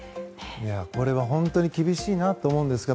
これは本当に厳しいなと思うんですが